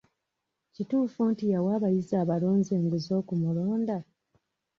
Kituufu nti yawa abayizi abalonzi enguzi okumulonda?